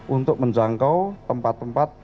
untuk menjangkau tempat tempat